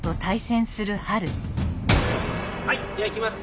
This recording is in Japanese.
はいではいきます。